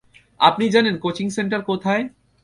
আপনি জানেন coaching centre কোথায়?